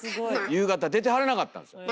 夕方出てはらなかったんですよ。